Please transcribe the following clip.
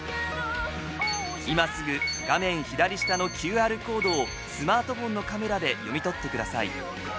今すぐ画面左下のＱＲコードをスマートフォンのカメラで読み取ってください。